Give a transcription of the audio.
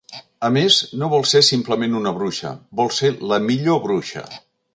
A més, no vol ser simplement una bruixa, vol ser la millor bruixa!